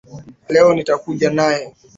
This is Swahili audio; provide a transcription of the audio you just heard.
Leo nitakuja naye